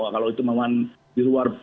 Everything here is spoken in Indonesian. kalau itu memang di luar